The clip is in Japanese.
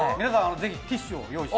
ぜひティッシュを用意して。